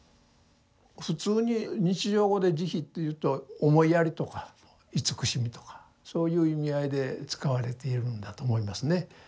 普通に日常語で「慈悲」というと「思いやり」とか「慈しみ」とかそういう意味合いで使われているんだと思いますね。